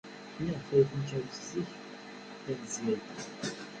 Maɣef ay d-tnekremt zik tanezzayt-a?